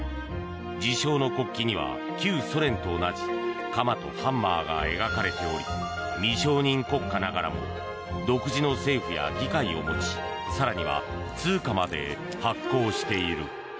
自称の国旗には旧ソ連と同じ鎌とハンマーが描かれており未承認国家ながらも独自の政府や議会を持ち更には通貨まで発行している。